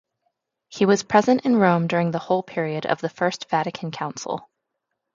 He was present in Rome during the whole period of the First Vatican Council.